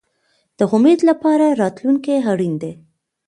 د امید لپاره راتلونکی اړین دی